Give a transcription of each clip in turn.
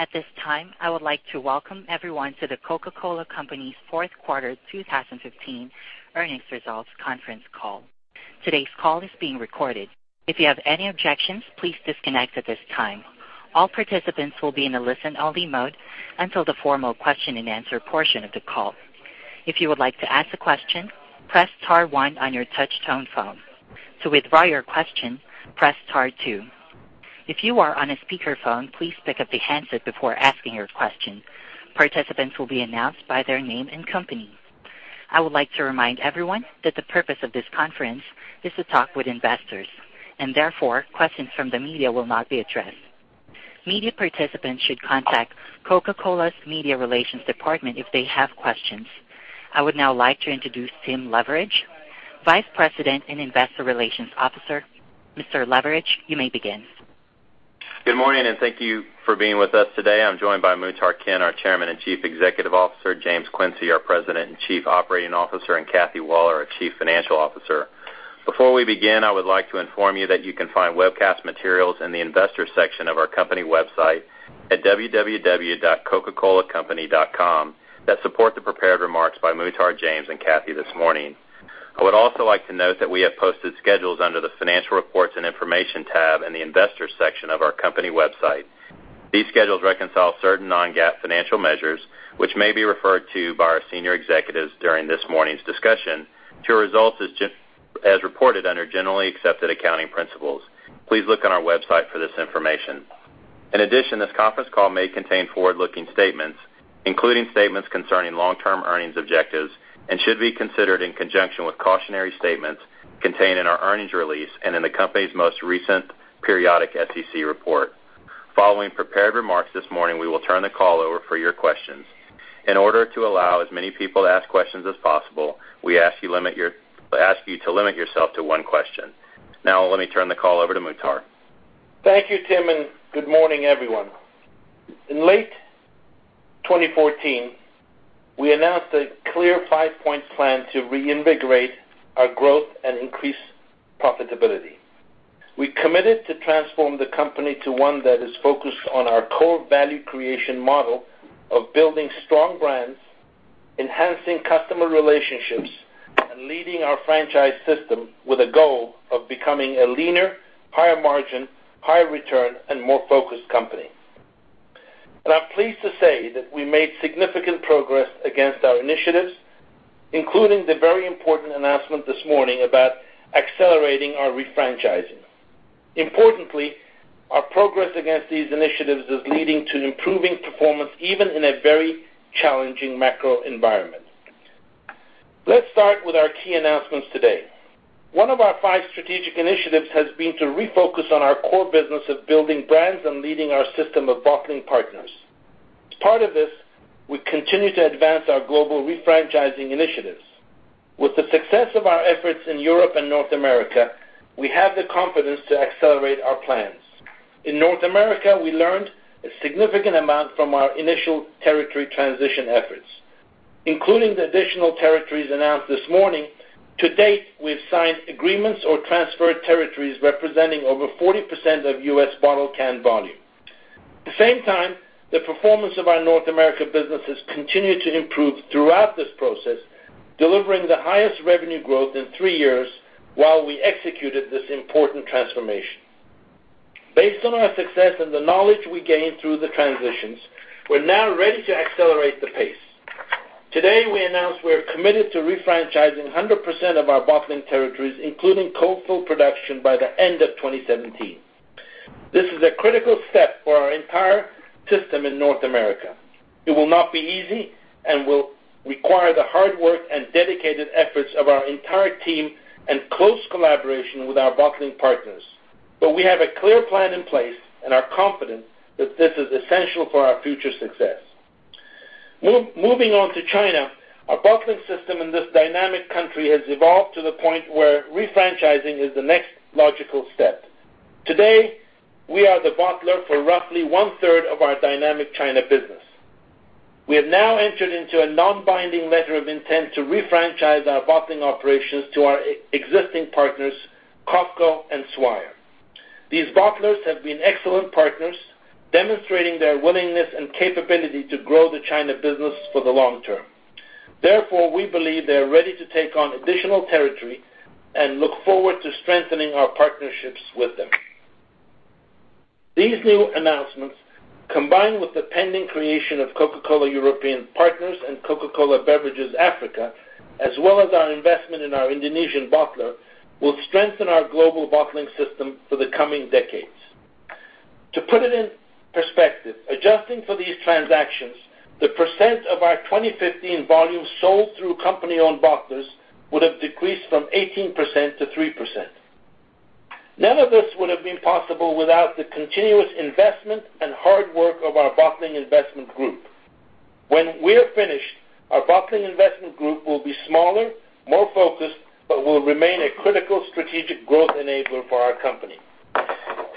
At this time, I would like to welcome everyone to The Coca-Cola Company's fourth quarter 2015 earnings results conference call. Today's call is being recorded. If you have any objections, please disconnect at this time. All participants will be in a listen-only mode until the formal question and answer portion of the call. If you would like to ask a question, press star one on your touch-tone phone. To withdraw your question, press star two. If you are on a speakerphone, please pick up the handset before asking your question. Participants will be announced by their name and company. I would like to remind everyone that the purpose of this conference is to talk with investors. Questions from the media will not be addressed. Media participants should contact Coca-Cola's media relations department if they have questions. I would now like to introduce Tim Leveridge, Vice President and Investor Relations Officer. Mr. Leveridge, you may begin. Good morning. Thank you for being with us today. I'm joined by Muhtar Kent, our Chairman and Chief Executive Officer, James Quincey, our President and Chief Operating Officer, and Kathy Waller, our Chief Financial Officer. Before we begin, I would like to inform you that you can find webcast materials in the investors section of our company website at www.coca-colacompany.com that support the prepared remarks by Muhtar, James, and Kathy this morning. I would also like to note that we have posted schedules under the financial reports and information tab in the investors section of our company website. These schedules reconcile certain non-GAAP financial measures, which may be referred to by our senior executives during this morning's discussion, to results as reported under generally accepted accounting principles. Please look on our website for this information. In addition, this conference call may contain forward-looking statements, including statements concerning long-term earnings objectives and should be considered in conjunction with cautionary statements contained in our earnings release and in the company's most recent periodic SEC report. Following prepared remarks this morning, we will turn the call over for your questions. In order to allow as many people to ask questions as possible, we ask you to limit yourself to one question. Now let me turn the call over to Muhtar. Thank you, Tim, and good morning, everyone. In late 2014, we announced a clear five-point plan to reinvigorate our growth and increase profitability. We committed to transform the company to one that is focused on our core value creation model of building strong brands, enhancing customer relationships, and leading our franchise system with a goal of becoming a leaner, higher margin, higher return, and more focused company. I'm pleased to say that we made significant progress against our initiatives, including the very important announcement this morning about accelerating our refranchising. Importantly, our progress against these initiatives is leading to improving performance, even in a very challenging macro environment. Let's start with our key announcements today. One of our five strategic initiatives has been to refocus on our core business of building brands and leading our system of bottling partners. As part of this, we continue to advance our global refranchising initiatives. With the success of our efforts in Europe and North America, we have the confidence to accelerate our plans. In North America, we learned a significant amount from our initial territory transition efforts. Including the additional territories announced this morning, to date, we've signed agreements or transferred territories representing over 40% of U.S. bottle-can volume. At the same time, the performance of our North America businesses continued to improve throughout this process, delivering the highest revenue growth in three years while we executed this important transformation. Based on our success and the knowledge we gained through the transitions, we're now ready to accelerate the pace. Today, we announced we're committed to refranchising 100% of our bottling territories, including cold fill production, by the end of 2017. This is a critical step for our entire system in North America. It will not be easy and will require the hard work and dedicated efforts of our entire team and close collaboration with our bottling partners. We have a clear plan in place and are confident that this is essential for our future success. Moving on to China, our bottling system in this dynamic country has evolved to the point where refranchising is the next logical step. Today, we are the bottler for roughly one-third of our dynamic China business. We have now entered into a non-binding letter of intent to refranchise our bottling operations to our existing partners, COFCO and Swire. These bottlers have been excellent partners, demonstrating their willingness and capability to grow the China business for the long term. Therefore, we believe they are ready to take on additional territory and look forward to strengthening our partnerships with them. These new announcements, combined with the pending creation of Coca-Cola European Partners and Coca-Cola Beverages Africa, as well as our investment in our Indonesian bottler, will strengthen our global bottling system for the coming decades. To put it in perspective, adjusting for these transactions, the percent of our 2015 volume sold through company-owned bottlers would have decreased from 18%-3%. None of this would have been possible without the continuous investment and hard work of our Bottling Investments Group. When we are finished, our Bottling Investments Group will be smaller, more focused, but will remain a critical strategic growth enabler for our company.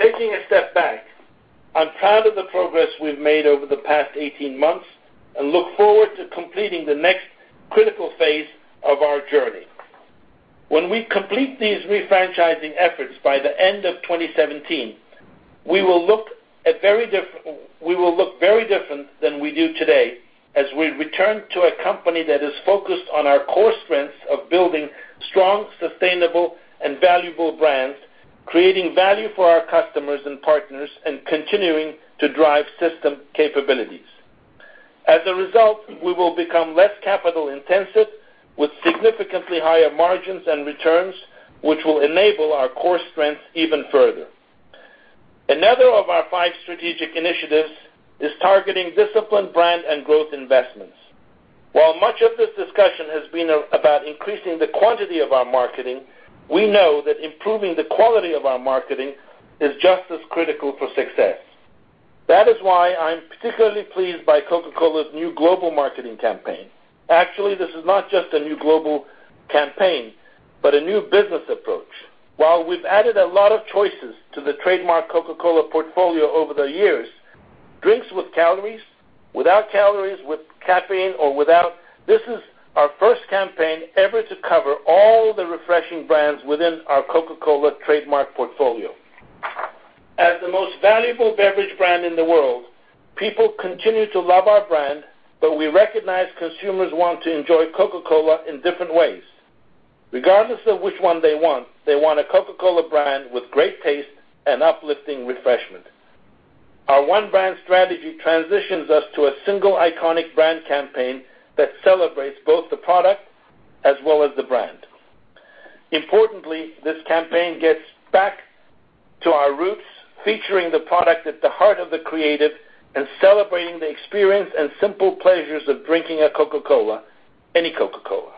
Taking a step back, I'm proud of the progress we've made over the past 18 months and look forward to completing the next critical phase of our journey. When we complete these refranchising efforts by the end of 2017, we will look very different than we do today as we return to a company that is focused on our core strengths of building strong, sustainable, and valuable brands, creating value for our customers and partners, and continuing to drive system capabilities. As a result, we will become less capital-intensive with significantly higher margins and returns, which will enable our core strengths even further. Another of our five strategic initiatives is targeting disciplined brand and growth investments. While much of this discussion has been about increasing the quantity of our marketing, we know that improving the quality of our marketing is just as critical for success. That is why I'm particularly pleased by Coca-Cola's new global marketing campaign. Actually, this is not just a new global campaign, but a new business approach. While we've added a lot of choices to the trademark Coca-Cola portfolio over the years, drinks with calories, without calories, with caffeine or without, this is our first campaign ever to cover all the refreshing brands within our Coca-Cola trademark portfolio. As the most valuable beverage brand in the world, people continue to love our brand, but we recognize consumers want to enjoy Coca-Cola in different ways. Regardless of which one they want, they want a Coca-Cola brand with great taste and uplifting refreshment. Our one brand strategy transitions us to a single iconic brand campaign that celebrates both the product as well as the brand. Importantly, this campaign gets back to our roots, featuring the product at the heart of the creative and celebrating the experience and simple pleasures of drinking a Coca-Cola, any Coca-Cola.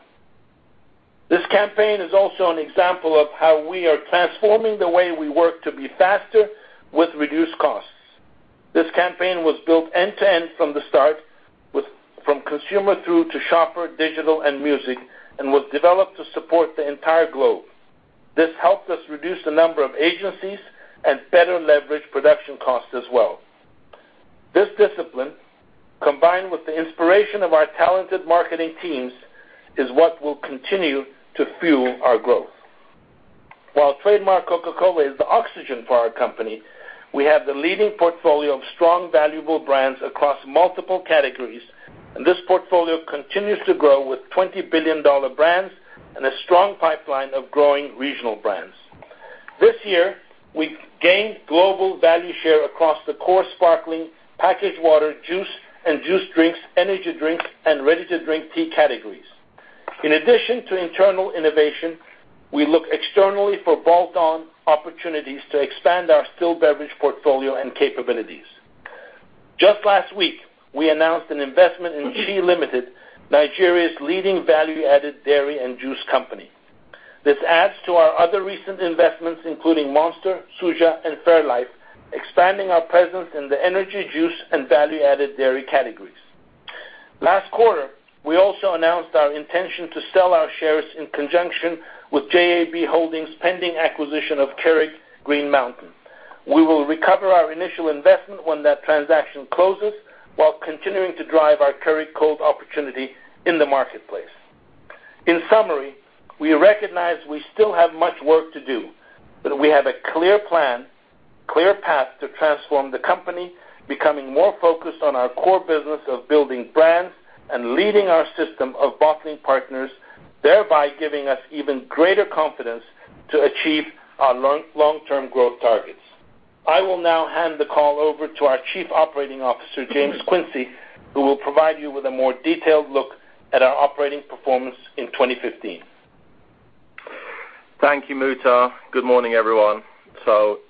This campaign is also an example of how we are transforming the way we work to be faster with reduced costs. This campaign was built end to end from the start, from consumer through to shopper, digital, and music, and was developed to support the entire globe. This helped us reduce the number of agencies and better leverage production costs as well. This discipline, combined with the inspiration of our talented marketing teams, is what will continue to fuel our growth. While trademark Coca-Cola is the oxygen for our company, we have the leading portfolio of strong, valuable brands across multiple categories, and this portfolio continues to grow with $20 billion brands and a strong pipeline of growing regional brands. This year, we gained global value share across the core sparkling packaged water, juice and juice drinks, energy drinks, and ready-to-drink tea categories. In addition to internal innovation, we look externally for bolt-on opportunities to expand our still beverage portfolio and capabilities. Just last week, we announced an investment in Chi Limited, Nigeria's leading value-added dairy and juice company. This adds to our other recent investments, including Monster, Suja, and fairlife, expanding our presence in the energy, juice, and value-added dairy categories. Last quarter, we also announced our intention to sell our shares in conjunction with JAB Holdings pending acquisition of Keurig Green Mountain. We will recover our initial investment when that transaction closes while continuing to drive our Keurig Kold opportunity in the marketplace. In summary, we recognize we still have much work to do, we have a clear plan, clear path to transform the company, becoming more focused on our core business of building brands and leading our system of bottling partners, thereby giving us even greater confidence to achieve our long-term growth targets. I will now hand the call over to our Chief Operating Officer, James Quincey, who will provide you with a more detailed look at our operating performance in 2015. Thank you, Muhtar. Good morning, everyone.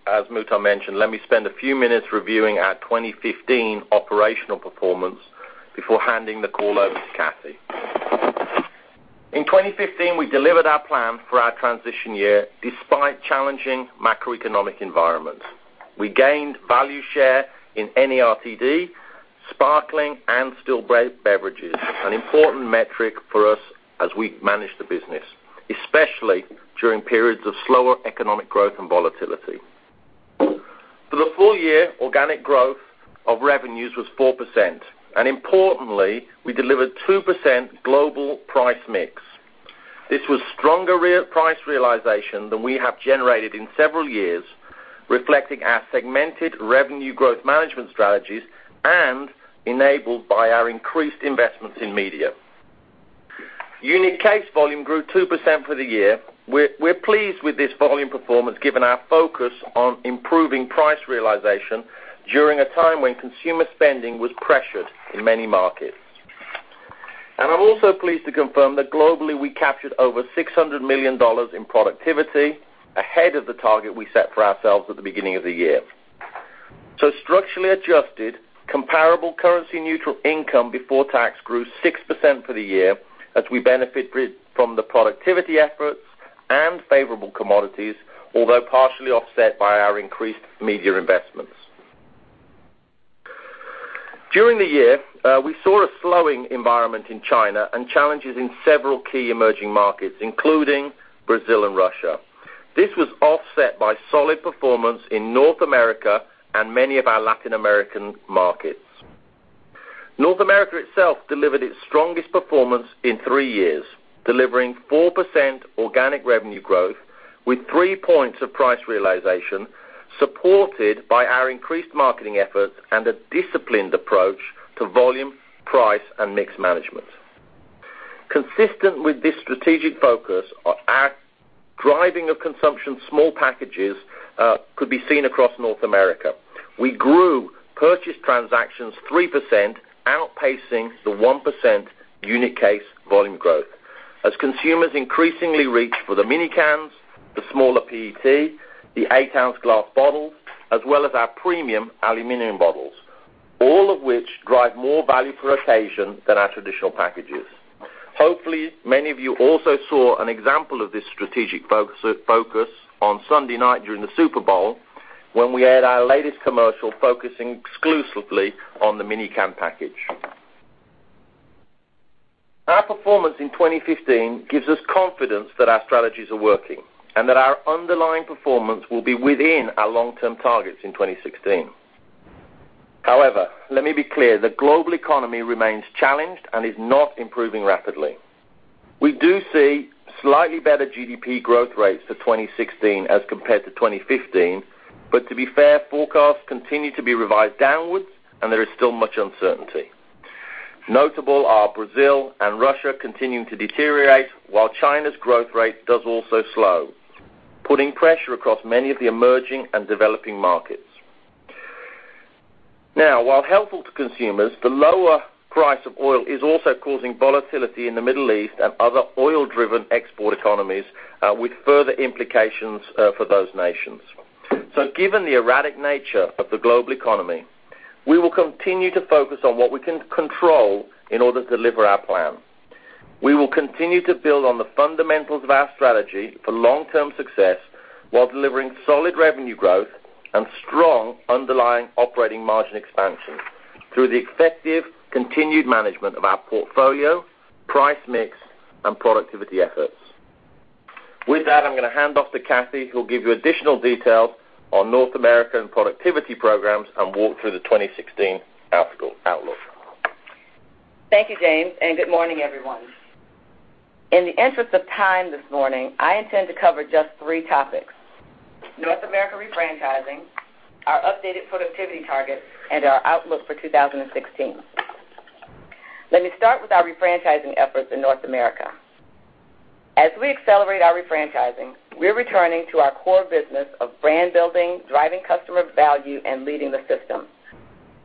As Muhtar mentioned, let me spend a few minutes reviewing our 2015 operational performance before handing the call over to Kathy. In 2015, we delivered our plan for our transition year despite challenging macroeconomic environment. We gained value share in any RTD, sparkling, and still beverages, an important metric for us as we manage the business, especially during periods of slower economic growth and volatility. For the full year, organic growth of revenues was 4%, and importantly, we delivered 2% global price mix. This was stronger price realization than we have generated in several years, reflecting our segmented revenue growth management strategies and enabled by our increased investments in media. Unit case volume grew 2% for the year. We're pleased with this volume performance given our focus on improving price realization during a time when consumer spending was pressured in many markets. I'm also pleased to confirm that globally, we captured over $600 million in productivity ahead of the target we set for ourselves at the beginning of the year. Structurally adjusted comparable currency neutral income before tax grew 6% for the year as we benefit from the productivity efforts and favorable commodities, although partially offset by our increased media investments. During the year, we saw a slowing environment in China and challenges in several key emerging markets, including Brazil and Russia. This was offset by solid performance in North America and many of our Latin American markets. North America itself delivered its strongest performance in three years, delivering 4% organic revenue growth with three points of price realization, supported by our increased marketing efforts and a disciplined approach to volume, price, and mix management. Consistent with this strategic focus, our driving of consumption small packages could be seen across North America. We grew purchase transactions 3%, outpacing the 1% unit case volume growth as consumers increasingly reach for the mini cans, the smaller PET, the eight-ounce glass bottles, as well as our premium aluminum bottles, all of which drive more value per occasion than our traditional packages. Hopefully, many of you also saw an example of this strategic focus on Sunday night during the Super Bowl when we had our latest commercial focusing exclusively on the mini can package. Our performance in 2015 gives us confidence that our strategies are working and that our underlying performance will be within our long-term targets in 2016. Let me be clear. The global economy remains challenged and is not improving rapidly. We do see slightly better GDP growth rates for 2016 as compared to 2015. To be fair, forecasts continue to be revised downwards, and there is still much uncertainty. Notable are Brazil and Russia continuing to deteriorate while China's growth rate does also slow, putting pressure across many of the emerging and developing markets. While helpful to consumers, the lower price of oil is also causing volatility in the Middle East and other oil-driven export economies, with further implications for those nations. Given the erratic nature of the global economy, we will continue to focus on what we can control in order to deliver our plan. We will continue to build on the fundamentals of our strategy for long-term success while delivering solid revenue growth and strong underlying operating margin expansion through the effective continued management of our portfolio, price mix, and productivity efforts. With that, I'm going to hand off to Kathy, who will give you additional details on North America and productivity programs and walk through the 2016 outlook. Thank you, James, and good morning, everyone. In the interest of time this morning, I intend to cover just 3 topics: North America refranchising, our updated productivity targets, and our outlook for 2016. Let me start with our refranchising efforts in North America. As we accelerate our refranchising, we're returning to our core business of brand building, driving customer value, and leading the system.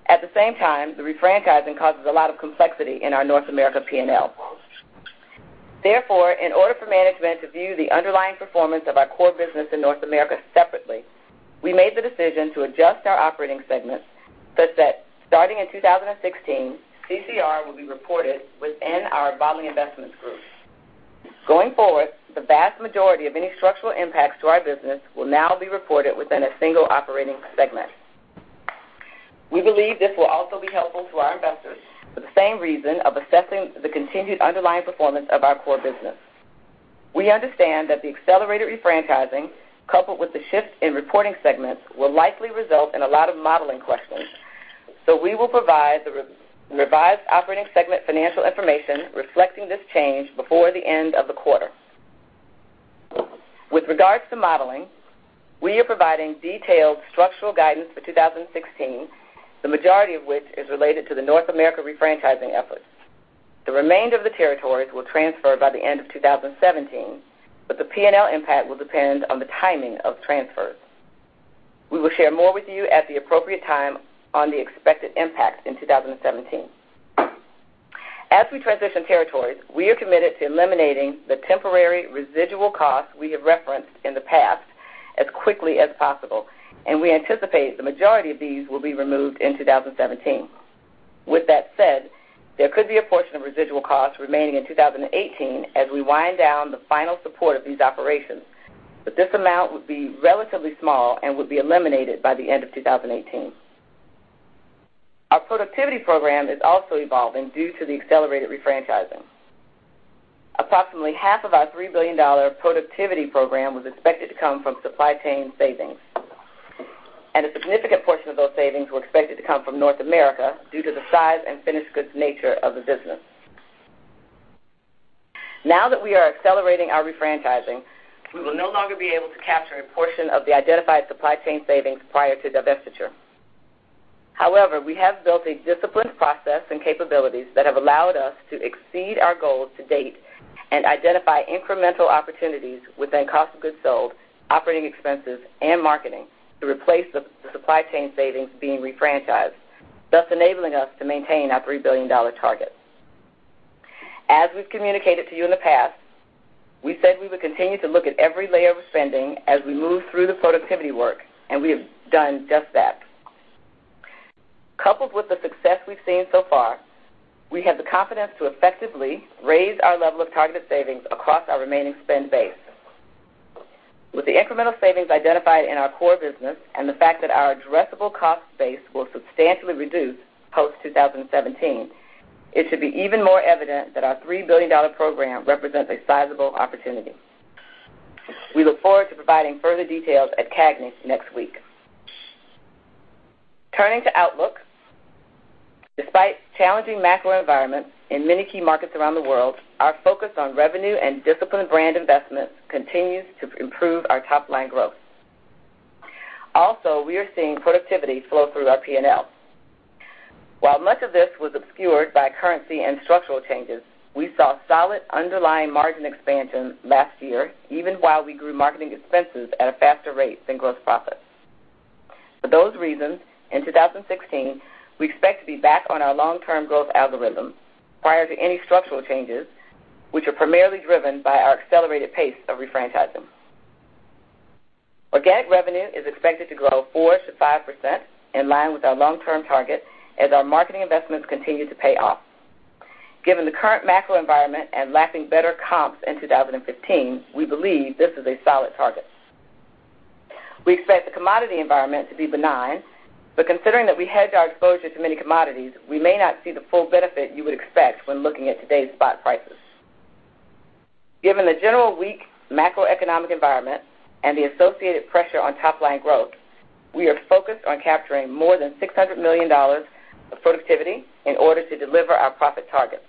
At the same time, the refranchising causes a lot of complexity in our North America P&L. In order for management to view the underlying performance of our core business in North America separately, we made the decision to adjust our operating segments such that starting in 2016, CCR will be reported within our Bottling Investments Group. Going forward, the vast majority of any structural impacts to our business will now be reported within a single operating segment. We believe this will also be helpful to our investors for the same reason of assessing the continued underlying performance of our core business. We understand that the accelerated refranchising coupled with the shift in reporting segments will likely result in a lot of modeling questions. We will provide the revised operating segment financial information reflecting this change before the end of the quarter. With regards to modeling, we are providing detailed structural guidance for 2016, the majority of which is related to the North America refranchising efforts. The remainder of the territories will transfer by the end of 2017, but the P&L impact will depend on the timing of transfers. We will share more with you at the appropriate time on the expected impacts in 2017. As we transition territories, we are committed to eliminating the temporary residual costs we have referenced in the past as quickly as possible, and we anticipate the majority of these will be removed in 2017. With that said, there could be a portion of residual costs remaining in 2018 as we wind down the final support of these operations, but this amount would be relatively small and would be eliminated by the end of 2018. Our productivity program is also evolving due to the accelerated refranchising. Approximately half of our $3 billion productivity program was expected to come from supply chain savings, and a significant portion of those savings were expected to come from North America due to the size and finished goods nature of the business. Now that we are accelerating our refranchising, we will no longer be able to capture a portion of the identified supply chain savings prior to divestiture. However, we have built a disciplined process and capabilities that have allowed us to exceed our goals to date and identify incremental opportunities within cost of goods sold, operating expenses, and marketing to replace the supply chain savings being refranchised, thus enabling us to maintain our $3 billion target. As we've communicated to you in the past, we said we would continue to look at every layer of spending as we move through the productivity work, and we have done just that. Coupled with the success we've seen so far, we have the confidence to effectively raise our level of targeted savings across our remaining spend base. With the incremental savings identified in our core business and the fact that our addressable cost base will substantially reduce post-2017, it should be even more evident that our $3 billion program represents a sizable opportunity. We look forward to providing further details at CAGNY next week. Turning to outlook, despite challenging macro environments in many key markets around the world, our focus on revenue and disciplined brand investments continues to improve our top-line growth. We are seeing productivity flow through our P&L. While much of this was obscured by currency and structural changes, we saw solid underlying margin expansion last year, even while we grew marketing expenses at a faster rate than gross profits. For those reasons, in 2016, we expect to be back on our long-term growth algorithm prior to any structural changes, which are primarily driven by our accelerated pace of refranchising. Organic revenue is expected to grow 4%-5%, in line with our long-term target, as our marketing investments continue to pay off. Given the current macro environment and lacking better comps in 2015, we believe this is a solid target. We expect the commodity environment to be benign, but considering that we hedge our exposure to many commodities, we may not see the full benefit you would expect when looking at today's spot prices. Given the general weak macroeconomic environment and the associated pressure on top-line growth, we are focused on capturing more than $600 million of productivity in order to deliver our profit targets.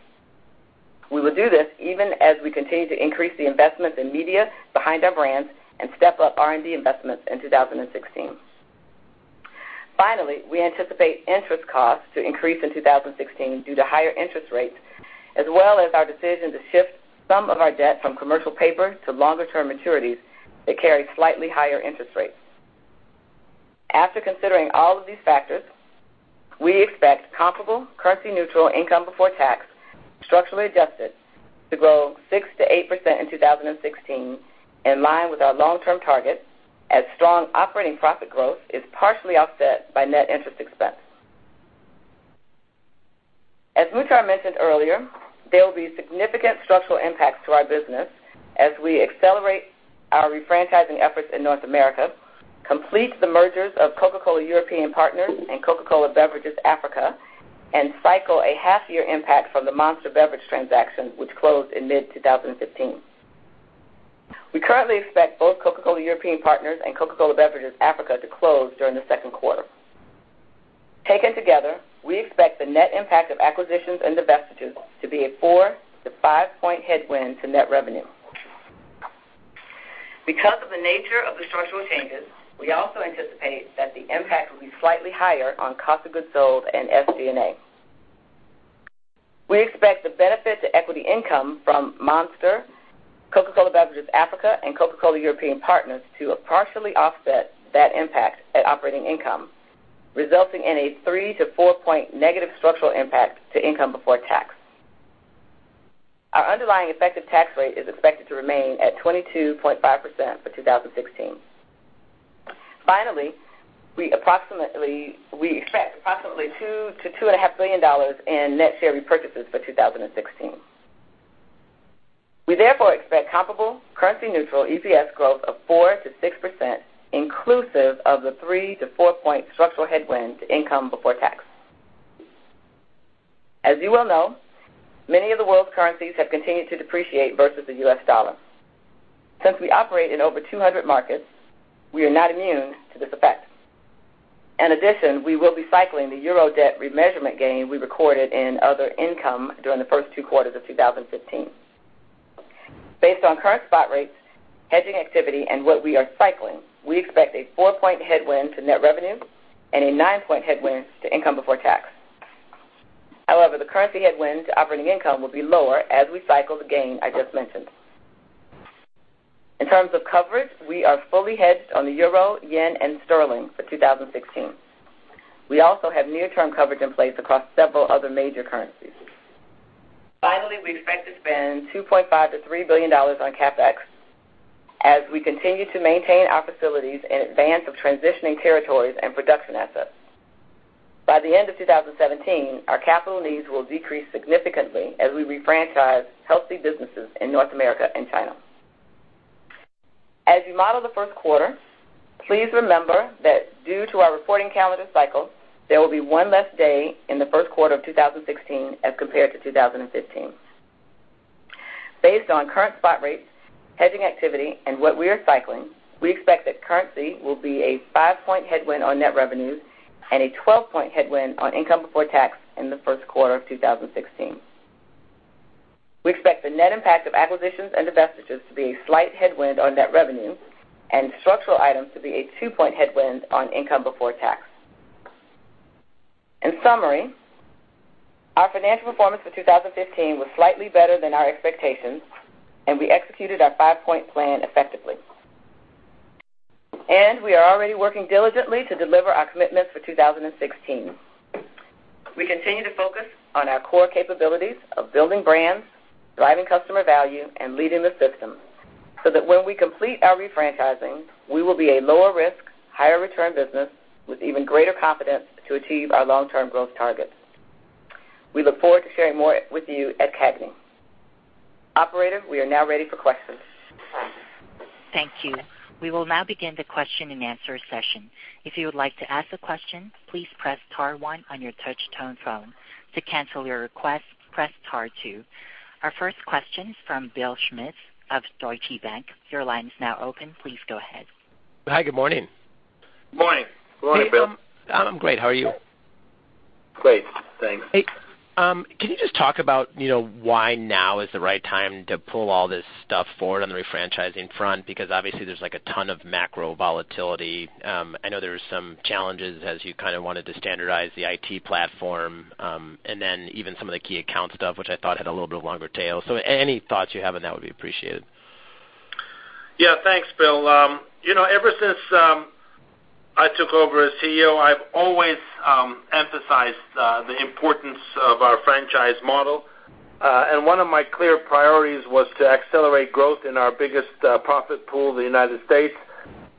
We will do this even as we continue to increase the investment in media behind our brands and step up R&D investments in 2016. Finally, we anticipate interest costs to increase in 2016 due to higher interest rates, as well as our decision to shift some of our debt from commercial paper to longer-term maturities that carry slightly higher interest rates. After considering all of these factors, we expect comparable currency-neutral income before tax, structurally adjusted, to grow 6%-8% in 2016, in line with our long-term target, as strong operating profit growth is partially offset by net interest expense. As Muhtar mentioned earlier, there will be significant structural impacts to our business as we accelerate our refranchising efforts in North America, complete the mergers of Coca-Cola European Partners and Coca-Cola Beverages Africa, and cycle a half-year impact from the Monster Beverage transaction, which closed in mid-2015. We currently expect both Coca-Cola European Partners and Coca-Cola Beverages Africa to close during the second quarter. Taken together, we expect the net impact of acquisitions and divestitures to be a 4- to 5-point headwind to net revenue. Because of the nature of the structural changes, we also anticipate that the impact will be slightly higher on cost of goods sold and SG&A. We expect the benefit to equity income from Monster, Coca-Cola Beverages Africa, and Coca-Cola European Partners to partially offset that impact at operating income, resulting in a 3- to 4-point negative structural impact to income before tax. Our underlying effective tax rate is expected to remain at 22.5% for 2016. Finally, we expect approximately $2 billion-$2.5 billion in net share repurchases for 2016. We therefore expect comparable currency-neutral EPS growth of 4%-6%, inclusive of the 3- to 4-point structural headwind to income before tax. As you well know, many of the world's currencies have continued to depreciate versus the U.S. dollar. Since we operate in over 200 markets, we are not immune to this effect. In addition, we will be cycling the euro debt remeasurement gain we recorded in other income during the first 2 quarters of 2015. Based on current spot rates, hedging activity, and what we are cycling, we expect a 4-point headwind to net revenue and a 9-point headwind to income before tax. However, the currency headwind to operating income will be lower as we cycle the gain I just mentioned. In terms of coverage, we are fully hedged on the euro, yen, and sterling for 2016. We also have near-term coverage in place across several other major currencies. Finally, we expect to spend $2.5 billion-$3 billion on CapEx as we continue to maintain our facilities in advance of transitioning territories and production assets. By the end of 2017, our capital needs will decrease significantly as we refranchise healthy businesses in North America and China. As you model the first quarter, please remember that due to our reporting calendar cycle, there will be one less day in the first quarter of 2016 as compared to 2015. Based on current spot rates, hedging activity, and what we are cycling, we expect that currency will be a 5-point headwind on net revenues and a 12-point headwind on income before tax in the first quarter of 2016. We expect the net impact of acquisitions and divestitures to be a slight headwind on net revenue and structural items to be a 2-point headwind on income before tax. In summary, our financial performance for 2015 was slightly better than our expectations, and we executed our five-point plan effectively. We are already working diligently to deliver our commitments for 2016. We continue to focus on our core capabilities of building brands, driving customer value, and leading the system, so that when we complete our refranchising, we will be a lower risk, higher return business with even greater confidence to achieve our long-term growth targets. We look forward to sharing more with you at CAGNY. Operator, we are now ready for questions. Thank you. We will now begin the question-and-answer session. If you would like to ask a question, please press star one on your touch-tone phone. To cancel your request, press star two. Our first question is from Bill Schmitz of Deutsche Bank. Your line is now open. Please go ahead. Hi. Good morning. Good morning. Good morning, Bill. I'm great. How are you? Great, thanks. Hey, can you just talk about why now is the right time to pull all this stuff forward on the refranchising front? Obviously there's a ton of macro volatility. I know there are some challenges as you wanted to standardize the IT platform, and then even some of the key account stuff, which I thought had a little bit longer tail. Any thoughts you have on that would be appreciated. Yeah. Thanks, Bill. Ever since I took over as CEO, I've always emphasized the importance of our franchise model. One of my clear priorities was to accelerate growth in our biggest profit pool, the United States.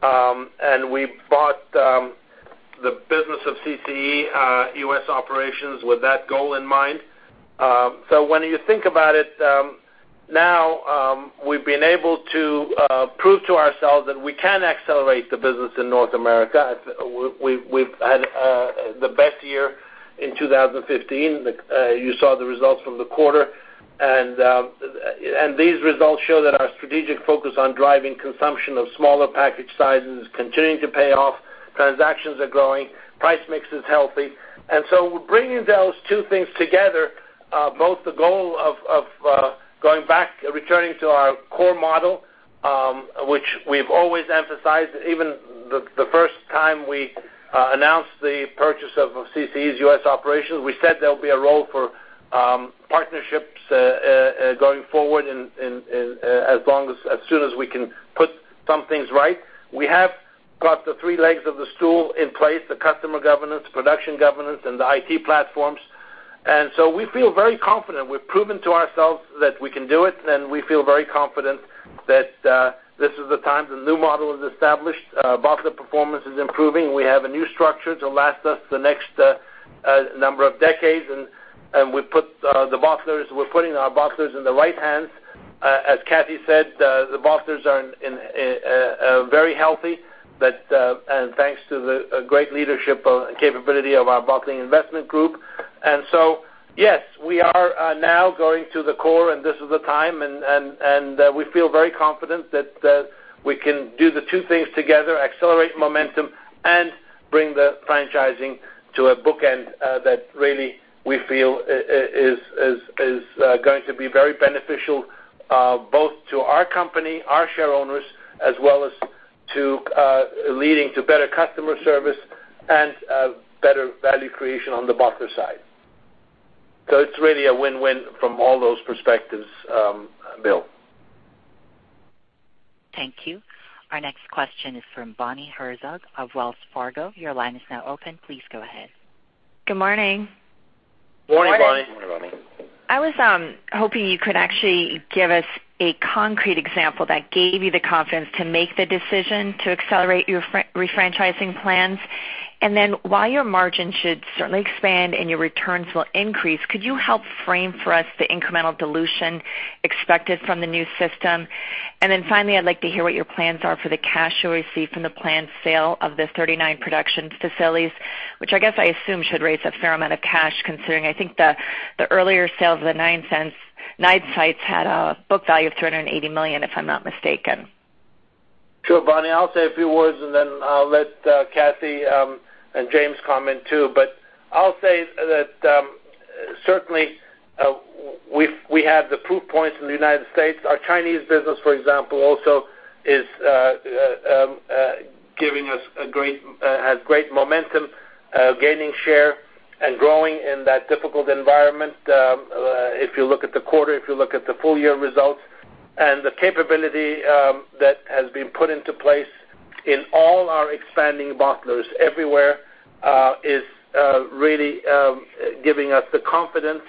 We bought the business of CCE U.S. operations with that goal in mind. When you think about it, now we've been able to prove to ourselves that we can accelerate the business in North America. We've had the best year in 2015. You saw the results from the quarter. These results show that our strategic focus on driving consumption of smaller package sizes is continuing to pay off. Transactions are growing. Price mix is healthy. Bringing those two things together, both the goal of going back, returning to our core model, which we've always emphasized. Even the first time we announced the purchase of CCE's U.S. operations, we said there'll be a role for partnerships going forward as soon as we can put some things right. We have got the three legs of the stool in place, the customer governance, production governance, and the IT platforms. We feel very confident. We've proven to ourselves that we can do it. We feel very confident that this is the time. The new model is established. Bottler performance is improving. We have a new structure to last us the next number of decades. We're putting our bottlers in the right hands. As Kathy said, the bottlers are very healthy. Thanks to the great leadership capability of our bottling investment group. Yes, we are now going to the core, and this is the time. We feel very confident that we can do the two things together, accelerate momentum and bring the franchising to a bookend, that really we feel is going to be very beneficial, both to our company, our share owners, as well as leading to better customer service and better value creation on the bottler side. It's really a win-win from all those perspectives, Bill. Thank you. Our next question is from Bonnie Herzog of Wells Fargo. Your line is now open. Please go ahead. Good morning. Morning, Bonnie. Morning, Bonnie. I was hoping you could actually give us a concrete example that gave you the confidence to make the decision to accelerate your refranchising plans. While your margin should certainly expand and your returns will increase, could you help frame for us the incremental dilution expected from the new system? Finally, I'd like to hear what your plans are for the cash you'll receive from the planned sale of the 39 production facilities, which I guess I assume should raise a fair amount of cash, considering I think the earlier sales of the nine sites had a book value of $380 million, if I'm not mistaken. Sure, Bonnie. I'll say a few words, then I'll let Kathy and James comment, too. I'll say that certainly, we have the proof points in the U.S. Our Chinese business, for example, also has great momentum, gaining share and growing in that difficult environment. If you look at the quarter, if you look at the full-year results. The capability that has been put into place in all our expanding bottlers everywhere is really giving us the confidence.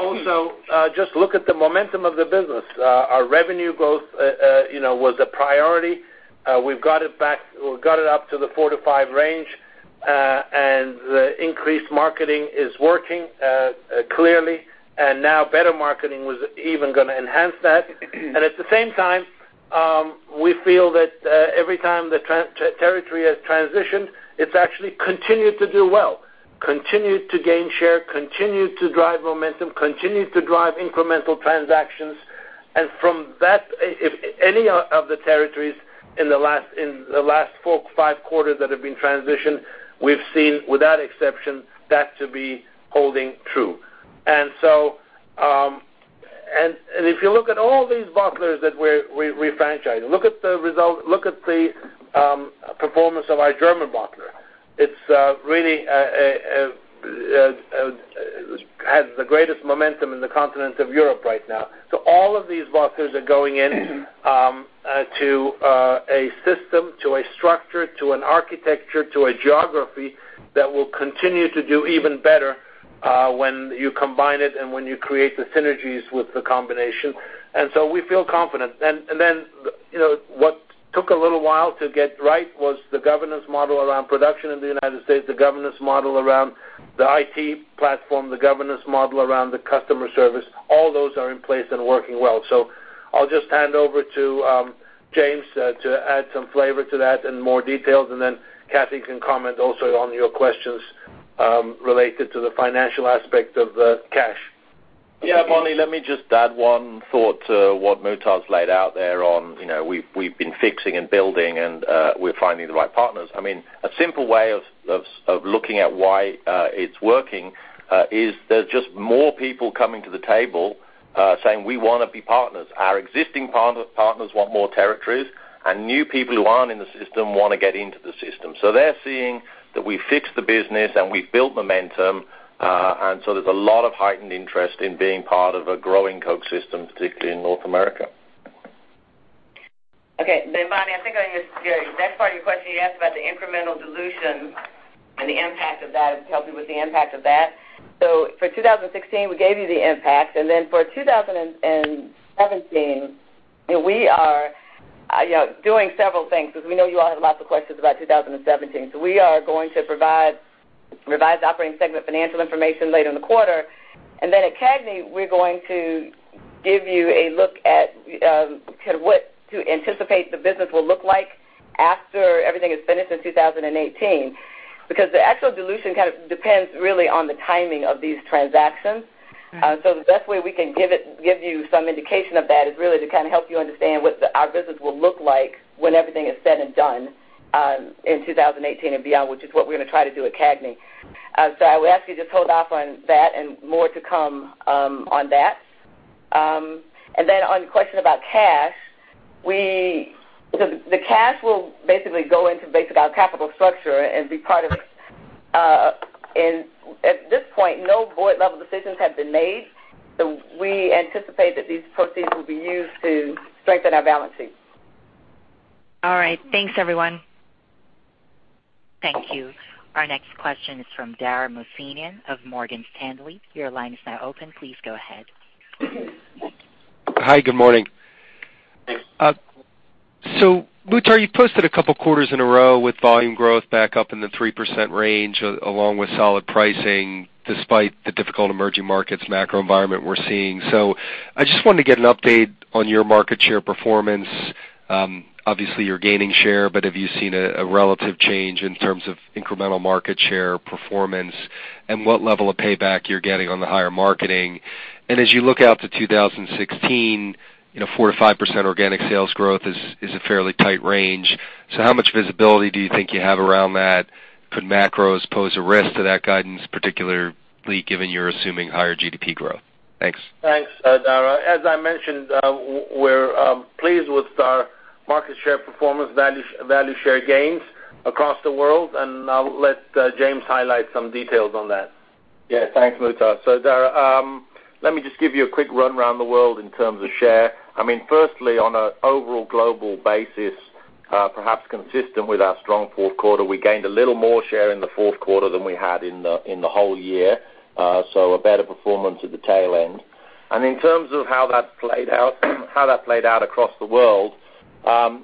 Also, just look at the momentum of the business. Our revenue growth was a priority. We've got it up to the four to five range. The increased marketing is working clearly. Now better marketing was even going to enhance that. At the same time, we feel that every time the territory has transitioned, it's actually continued to do well, continued to gain share, continued to drive momentum, continued to drive incremental transactions. From that, if any of the territories in the last four, five quarters that have been transitioned, we've seen, without exception, that to be holding true. If you look at all these bottlers that we're refranchising, look at the performance of our German bottler. It really has the greatest momentum in the continent of Europe right now. All of these bottlers are going into a system, to a structure, to an architecture, to a geography that will continue to do even better when you combine it and when you create the synergies with the combination. We feel confident. What took a little while to get right was the governance model around production in the U.S., the governance model around the IT platform, the governance model around the customer service. All those are in place and working well. I'll just hand over to James to add some flavor to that and more details. Kathy can comment also on your questions related to the financial aspect of the cash. Yeah, Bonnie, let me just add one thought to what Muhtar's laid out there on we've been fixing and building and we're finding the right partners. A simple way of looking at why it's working is there's just more people coming to the table saying, "We want to be partners." Our existing partners want more territories, and new people who aren't in the system want to get into the system. They're seeing that we fixed the business and we've built momentum. There's a lot of heightened interest in being part of a growing Coke system, particularly in North America. Bonnie, I think on your next part of your question, you asked about the incremental dilution and the impact of that, to help you with the impact of that. For 2016, we gave you the impact. For 2017, we are doing several things, because we know you all have lots of questions about 2017. We are going to provide revised operating segment financial information later in the quarter. At CAGNY, we're going to give you a look at kind of what to anticipate the business will look like after everything is finished in 2018. Because the actual dilution kind of depends really on the timing of these transactions. The best way we can give you some indication of that is really to kind of help you understand what our business will look like when everything is said and done in 2018 and beyond, which is what we're going to try to do at CAGNY. I would ask you to just hold off on that and more to come on that. On the question about cash, the cash will basically go into our capital structure and be part of it. At this point, no board level decisions have been made. We anticipate that these proceeds will be used to strengthen our balance sheet. All right. Thanks, everyone. Thank you. Our next question is from Dara Mohsenian of Morgan Stanley. Your line is now open. Please go ahead. Hi, good morning. Muhtar, you've posted a couple of quarters in a row with volume growth back up in the 3% range, along with solid pricing, despite the difficult emerging markets macro environment we're seeing. I just wanted to get an update on your market share performance. Obviously, you're gaining share, but have you seen a relative change in terms of incremental market share performance? What level of payback you're getting on the higher marketing? As you look out to 2016, 4%-5% organic sales growth is a fairly tight range. How much visibility do you think you have around that? Could macros pose a risk to that guidance, particularly given you're assuming higher GDP growth? Thanks. Thanks, Dara. As I mentioned, we're pleased with our market share performance value share gains across the world. I'll let James highlight some details on that. Yeah. Thanks, Muhtar. Dara, let me just give you a quick run around the world in terms of share. Firstly, on an overall global basis, perhaps consistent with our strong fourth quarter, we gained a little more share in the fourth quarter than we had in the whole year. A better performance at the tail end. In terms of how that played out across the world,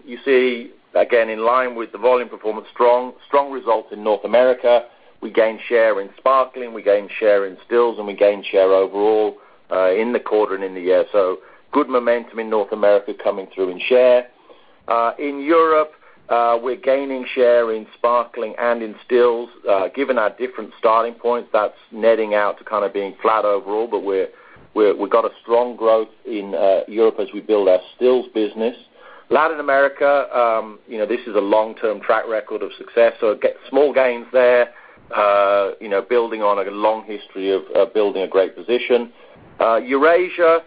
you see, again, in line with the volume performance, strong results in North America. We gained share in sparkling, we gained share in stills, and we gained share overall in the quarter and in the year. Good momentum in North America coming through in share. In Europe, we're gaining share in sparkling and in stills. Given our different starting points, that's netting out to kind of being flat overall, but we've got a strong growth in Europe as we build our stills business. Latin America, this is a long-term track record of success, small gains there, building on a long history of building a great position. Eurasia,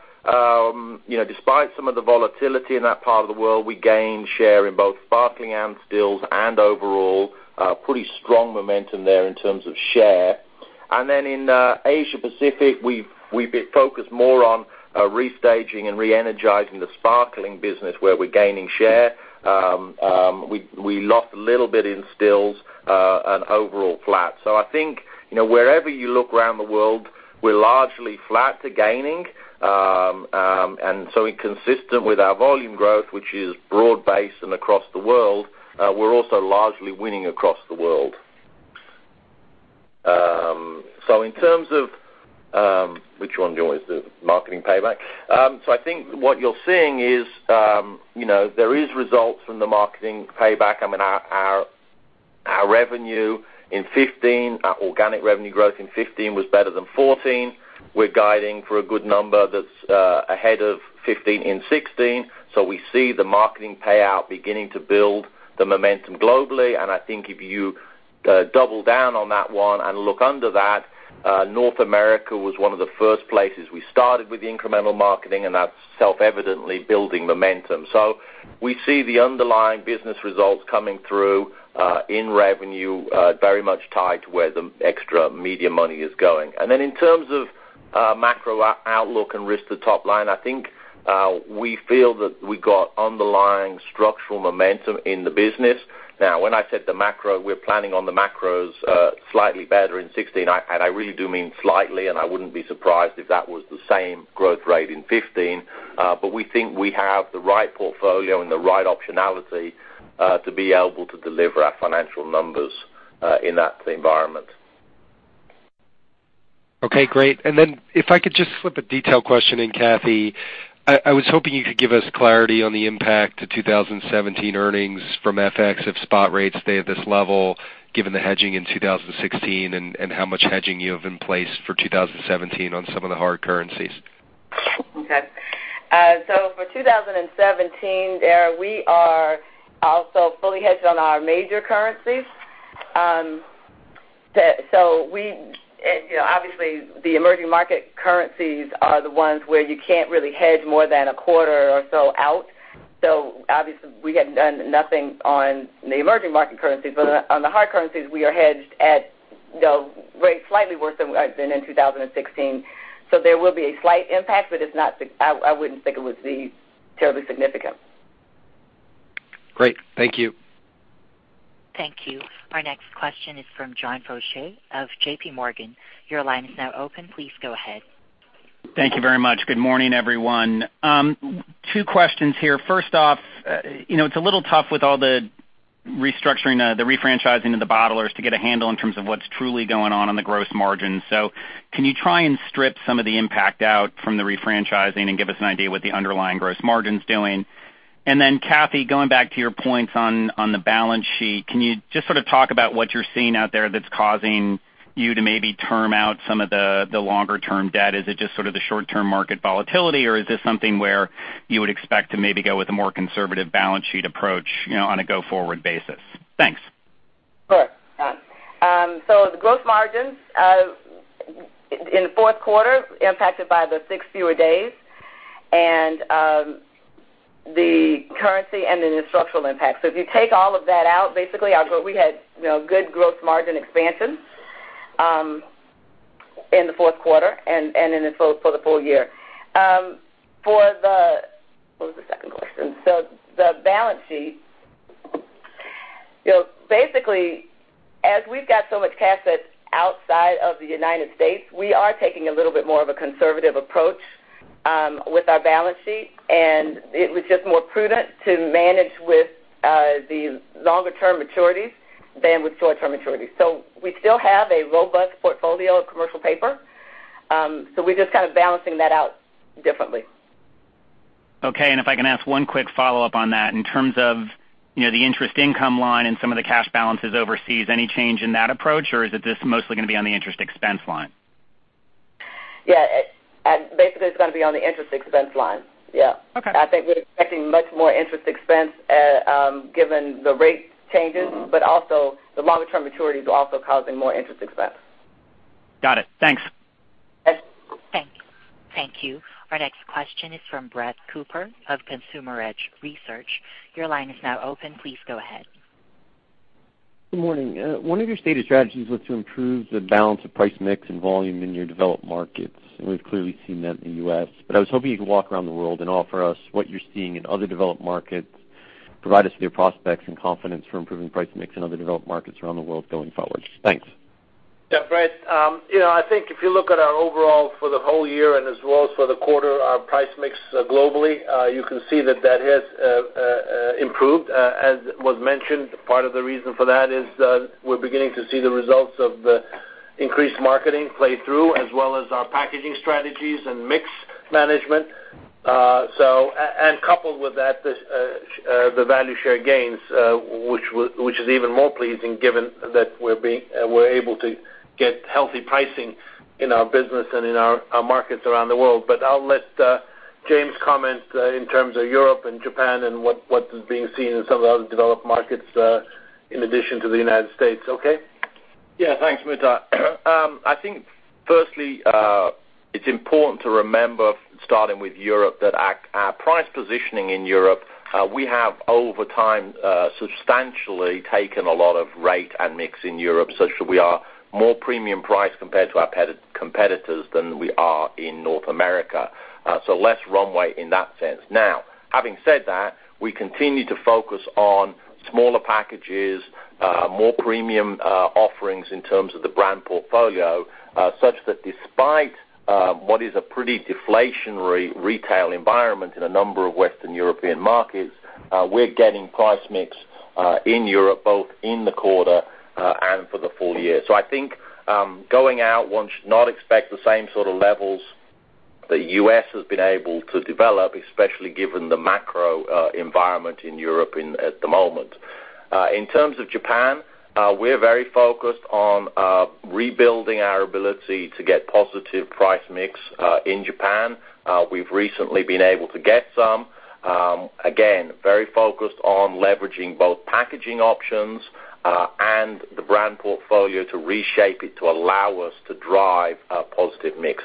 despite some of the volatility in that part of the world, we gained share in both sparkling and stills and overall. Pretty strong momentum there in terms of share. In Asia Pacific, we've been focused more on restaging and re-energizing the sparkling business, where we're gaining share. We lost a little bit in stills and overall flat. I think wherever you look around the world, we're largely flat to gaining. Consistent with our volume growth, which is broad-based and across the world, we're also largely winning across the world. In terms of which one do you want is the marketing payback. I think what you're seeing is there is results from the marketing payback. Our revenue in 2015, our organic revenue growth in 2015 was better than 2014. We're guiding for a good number that's ahead of 2015 in 2016. We see the marketing payout beginning to build the momentum globally. I think if you double down on that one and look under that, North America was one of the first places we started with the incremental marketing, and that's self-evidently building momentum. We see the underlying business results coming through in revenue, very much tied to where the extra media money is going. In terms of macro outlook and risk to top line, I think we feel that we got underlying structural momentum in the business. When I said the macro, we're planning on the macros slightly better in 2016, and I really do mean slightly, and I wouldn't be surprised if that was the same growth rate in 2015. We think we have the right portfolio and the right optionality to be able to deliver our financial numbers in that environment. Okay, great. If I could just slip a detail question in, Kathy. I was hoping you could give us clarity on the impact to 2017 earnings from FX if spot rates stay at this level, given the hedging in 2016 and how much hedging you have in place for 2017 on some of the hard currencies. Okay. For 2017, Dara, we are also fully hedged on our major currencies. Obviously, the emerging market currencies are the ones where you can't really hedge more than a quarter or so out. Obviously, we had done nothing on the emerging market currencies. On the hard currencies, we are hedged at rates slightly worse than in 2016. There will be a slight impact, but I wouldn't think it would be terribly significant. Great. Thank you. Thank you. Our next question is from John Faucher of JPMorgan. Your line is now open. Please go ahead. Thank you very much. Good morning, everyone. Two questions here. First off, it's a little tough with all the restructuring, the refranchising of the bottlers to get a handle in terms of what's truly going on in the gross margin. Can you try and strip some of the impact out from the refranchising and give us an idea what the underlying gross margin's doing? Kathy, going back to your points on the balance sheet, can you just talk about what you're seeing out there that's causing you to maybe term out some of the longer-term debt? Is it just the short-term market volatility, or is this something where you would expect to maybe go with a more conservative balance sheet approach on a go-forward basis? Thanks. Sure. The gross margins in the fourth quarter, impacted by the six fewer days, and the currency and then the structural impact. If you take all of that out, basically, we had good growth margin expansion in the fourth quarter and for the full year. What was the second question? The balance sheet. Basically, as we've got so much cash that's outside of the United States, we are taking a little bit more of a conservative approach with our balance sheet, and it was just more prudent to manage with the longer-term maturities than with short-term maturities. We still have a robust portfolio of commercial paper. We're just balancing that out differently. Okay. If I can ask one quick follow-up on that. In terms of the interest income line and some of the cash balances overseas, any change in that approach, or is this mostly going to be on the interest expense line? Yeah. Basically, it's going to be on the interest expense line. Yeah. Okay. I think we're expecting much more interest expense given the rate changes. Also, the longer-term maturities are also causing more interest expense. Got it. Thanks. Yes. Thank you. Our next question is from Brett Cooper of Consumer Edge Research. Your line is now open. Please go ahead. Good morning. One of your stated strategies was to improve the balance of price mix and volume in your developed markets, and we've clearly seen that in the U.S. I was hoping you could walk around the world and offer us what you're seeing in other developed markets, provide us with your prospects and confidence for improving price mix in other developed markets around the world going forward. Thanks. Yeah, Brett. I think if you look at our overall for the whole year and as well as for the quarter, our price mix globally, you can see that that has improved. As was mentioned, part of the reason for that is we're beginning to see the results of the increased marketing play through, as well as our packaging strategies and mix management. Coupled with that, the value share gains, which is even more pleasing given that we're able to get healthy pricing in our business and in our markets around the world. I'll let James comment in terms of Europe and Japan and what is being seen in some of the other developed markets in addition to the United States. Okay? Yeah. Thanks, Muhtar. I think firstly, it's important to remember, starting with Europe, that our price positioning in Europe, we have, over time, substantially taken a lot of rate and mix in Europe such that we are more premium price compared to our competitors than we are in North America. Less runway in that sense. Now, having said that, we continue to focus on smaller packages, more premium offerings in terms of the brand portfolio, such that despite what is a pretty deflationary retail environment in a number of Western European markets, we're getting price mix in Europe, both in the quarter and for the full year. I think going out, one should not expect the same sort of levels the U.S. has been able to develop, especially given the macro environment in Europe at the moment. In terms of Japan, we're very focused on rebuilding our ability to get positive price mix in Japan. We've recently been able to get some. Very focused on leveraging both packaging options and the brand portfolio to reshape it to allow us to drive a positive mix.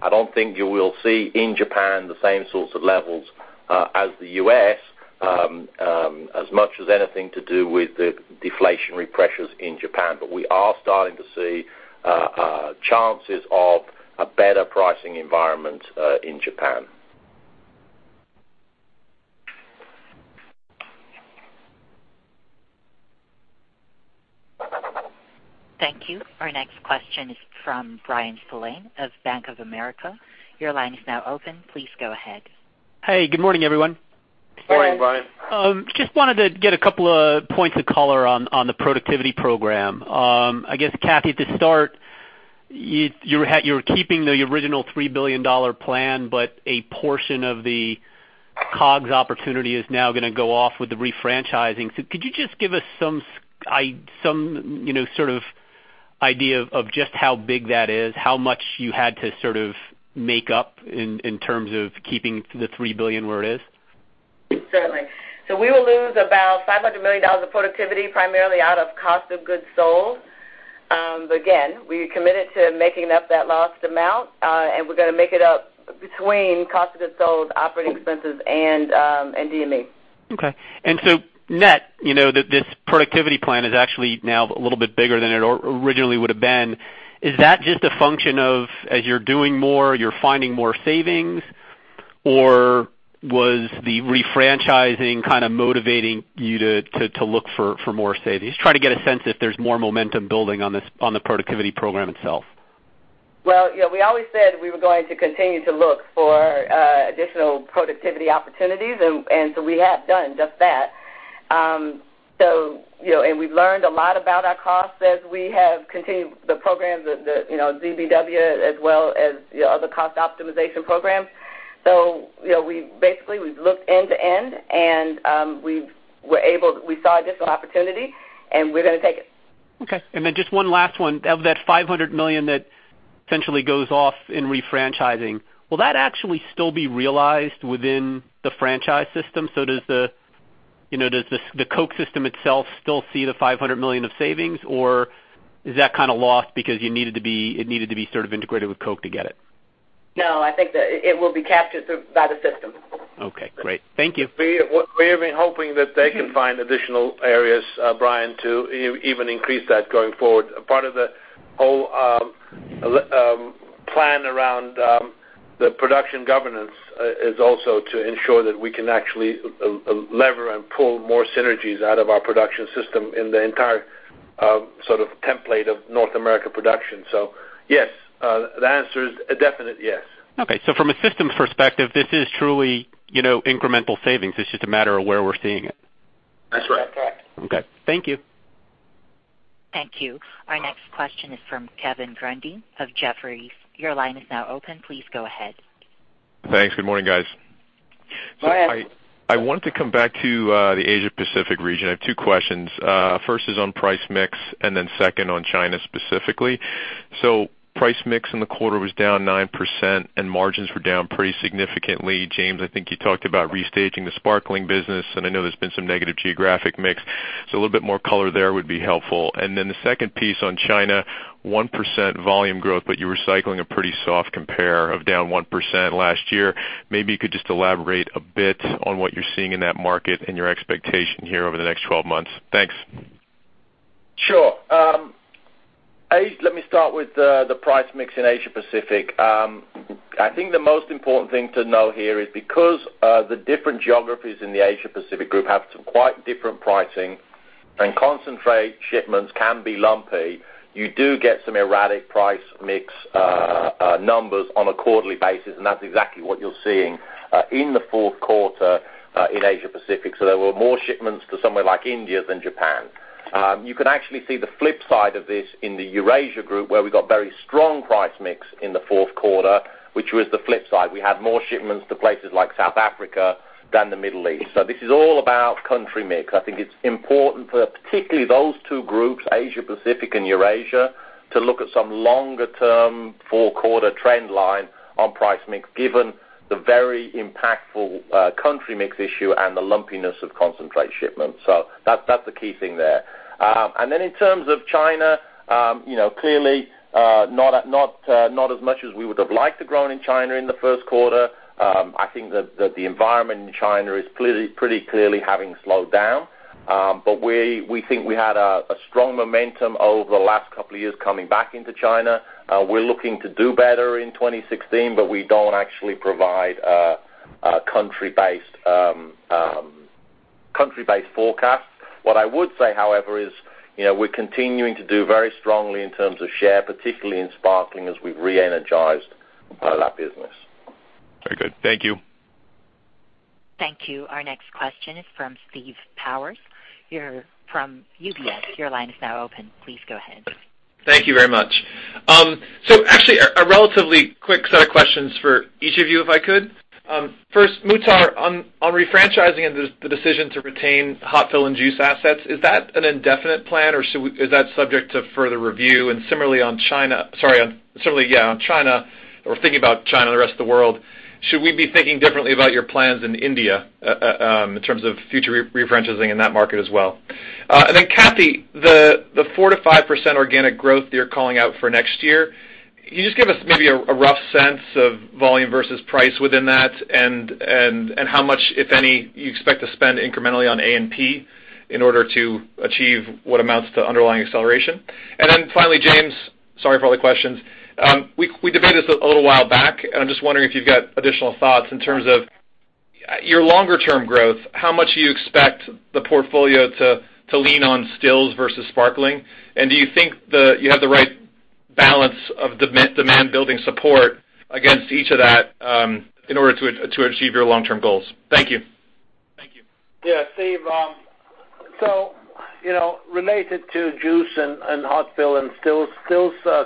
I don't think you will see in Japan the same sorts of levels as the U.S., as much as anything to do with the deflationary pressures in Japan. We are starting to see chances of a better pricing environment in Japan. Thank you. Our next question is from Bryan Spillane of Bank of America. Your line is now open. Please go ahead. Hey, good morning, everyone. Morning, Bryan. Just wanted to get a couple of points of color on the productivity program. I guess, Kathy, to start, you're keeping the original $3 billion plan, but a portion of the COGS opportunity is now going to go off with the refranchising. Could you just give us some sort of idea of just how big that is, how much you had to sort of make up in terms of keeping the $3 billion where it is. Certainly. We will lose about $500 million of productivity, primarily out of cost of goods sold. Again, we're committed to making up that lost amount, and we're going to make it up between cost of goods sold, operating expenses, and DME. Okay. Net, this productivity plan is actually now a little bit bigger than it originally would have been. Is that just a function of as you're doing more, you're finding more savings? Or was the refranchising kind of motivating you to look for more savings? Trying to get a sense if there's more momentum building on the productivity program itself. Well, we always said we were going to continue to look for additional productivity opportunities, and so we have done just that. We've learned a lot about our costs as we have continued the programs, the ZBB, as well as the other cost optimization programs. Basically we've looked end to end, and we saw additional opportunity and we're going to take it. Okay. Then just one last one. Of that $500 million that essentially goes off in refranchising, will that actually still be realized within the franchise system? Does the Coca-Cola system itself still see the $500 million of savings, or is that kind of lost because it needed to be sort of integrated with Coca-Cola to get it? I think that it will be captured by the system. Great. Thank you. We've been hoping that they can find additional areas, Bryan, to even increase that going forward. Part of the whole plan around the production governance is also to ensure that we can actually lever and pull more synergies out of our production system in the entire sort of template of North America production. Yes, the answer is a definite yes. Okay. From a systems perspective, this is truly incremental savings. It's just a matter of where we're seeing it. That's right. That's right. Okay. Thank you. Thank you. Our next question is from Kevin Grundy of Jefferies. Your line is now open. Please go ahead. Thanks. Good morning, guys. Go ahead. I want to come back to the Asia Pacific region. I have two questions. First is on price mix, second on China specifically. Price mix in the quarter was down 9% and margins were down pretty significantly. James, I think you talked about restaging the sparkling business, and I know there's been some negative geographic mix. A little bit more color there would be helpful. The second piece on China, 1% volume growth, but you were cycling a pretty soft compare of down 1% last year. Maybe you could just elaborate a bit on what you're seeing in that market and your expectation here over the next 12 months. Thanks. Sure. Let me start with the price mix in Asia Pacific. I think the most important thing to know here is because the different geographies in the Asia Pacific group have some quite different pricing, and concentrate shipments can be lumpy, you do get some erratic price mix numbers on a quarterly basis, and that's exactly what you're seeing in the fourth quarter in Asia Pacific. There were more shipments to somewhere like India than Japan. You can actually see the flip side of this in the Eurasia group, where we got very strong price mix in the fourth quarter, which was the flip side. We had more shipments to places like South Africa than the Middle East. This is all about country mix. I think it's important for particularly those two groups, Asia Pacific and Eurasia, to look at some longer term four-quarter trend line on price mix, given the very impactful country mix issue and the lumpiness of concentrate shipments. That's the key thing there. In terms of China, clearly, not as much as we would have liked to grown in China in the first quarter. I think that the environment in China is pretty clearly having slowed down. We think we had a strong momentum over the last couple of years coming back into China. We're looking to do better in 2016, we don't actually provide a country-based forecast. What I would say, however, is we're continuing to do very strongly in terms of share, particularly in sparkling as we've re-energized part of that business. Very good. Thank you. Thank you. Our next question is from Steve Powers from UBS. Your line is now open. Please go ahead. Thank you very much. Actually a relatively quick set of questions for each of you, if I could. First, Muhtar, on refranchising and the decision to retain hot fill and juice assets, is that an indefinite plan or is that subject to further review? Similarly on China, or thinking about China and the rest of the world, should we be thinking differently about your plans in India in terms of future refranchising in that market as well? Kathy, the 4%-5% organic growth that you're calling out for next year, can you just give us maybe a rough sense of volume versus price within that and how much, if any, you expect to spend incrementally on A&P in order to achieve what amounts to underlying acceleration? Finally, James, sorry for all the questions. We debated this a little while back, I'm just wondering if you've got additional thoughts in terms of your longer term growth. How much do you expect the portfolio to lean on stills versus sparkling? Do you think that you have the right balance of demand building support against each of that in order to achieve your long-term goals? Thank you. Steve. Related to juice and hot fill and stills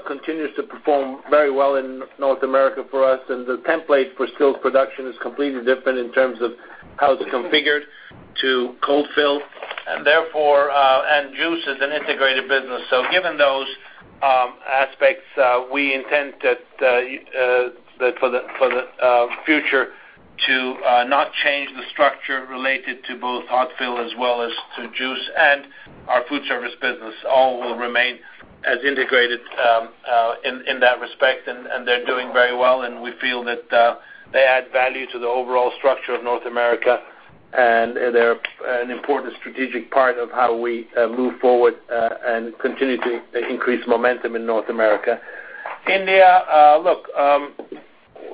continues to perform very well in North America for us, the template for stills production is completely different in terms of how it's configured To cold fill and juice is an integrated business. Given those aspects, we intend that for the future to not change the structure related to both hot fill as well as to juice and our food service business. All will remain as integrated in that respect, they're doing very well, we feel that they add value to the overall structure of North America. They're an important strategic part of how we move forward and continue to increase momentum in North America. India, look,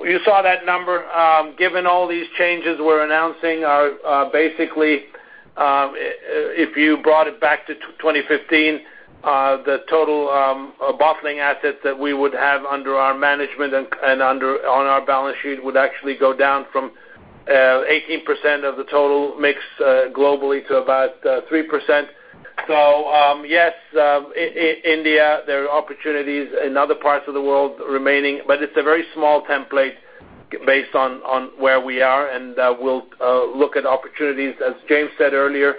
you saw that number. Given all these changes we're announcing, basically, if you brought it back to 2015, the total bottling assets that we would have under our management and on our balance sheet would actually go down from 18% of the total mix globally to about 3%. Yes, India, there are opportunities in other parts of the world remaining, but it's a very small template based on where we are, and we'll look at opportunities. As James said earlier,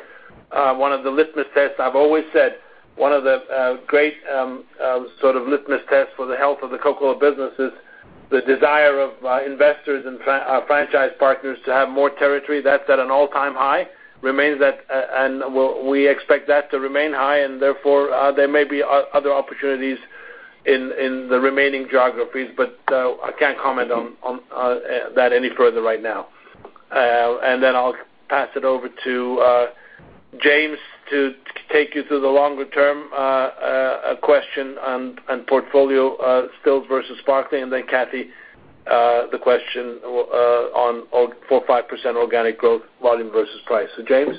one of the litmus tests, I've always said one of the great sort of litmus tests for the health of the Coca-Cola business is the desire of investors and franchise partners to have more territory. That's at an all-time high. We expect that to remain high. Therefore, there may be other opportunities in the remaining geographies, but I can't comment on that any further right now. I'll pass it over to James to take you through the longer-term question on portfolio stills versus sparkling, and then Kathy, the question on 4%, 5% organic growth volume versus price. James?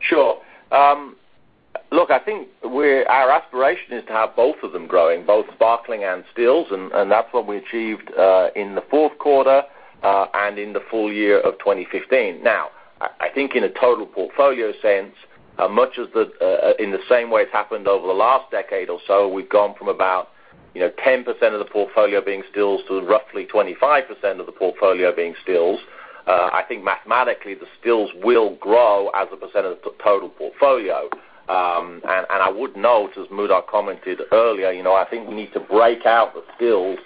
Sure. I think our aspiration is to have both of them growing, both sparkling and stills, and that's what we achieved in the fourth quarter and in the full year of 2015. I think in a total portfolio sense, in the same way it's happened over the last decade or so, we've gone from about 10% of the portfolio being stills to roughly 25% of the portfolio being stills. I think mathematically, the stills will grow as a percent of the total portfolio. I would note, as Muhtar commented earlier, I think we need to break out the stills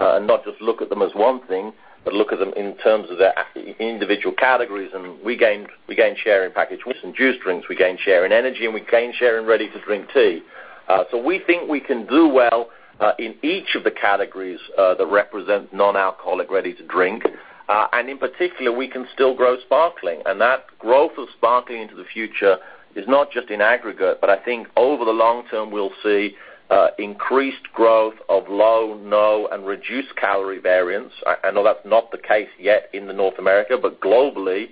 and not just look at them as one thing, but look at them in terms of their individual categories. We gained share in packaged juice drinks. We gained share in energy, and we gained share in ready-to-drink tea. We think we can do well in each of the categories that represent non-alcoholic ready-to-drink. In particular, we can still grow sparkling, and that growth of sparkling into the future is not just in aggregate, I think over the long term, we'll see increased growth of low, no, and reduced-calorie variants. I know that's not the case yet in North America, globally,